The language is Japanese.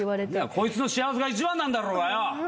こいつの幸せが一番なんだろうがよ！